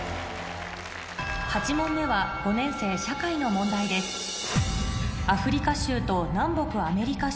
８問目は５年生社会の問題ですえ？